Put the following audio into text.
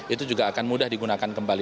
itu juga akan mudah digunakan kembali